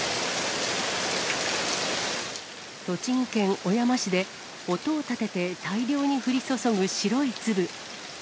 栃木県小山市で、音を立てて大量に降り注ぐ白い粒。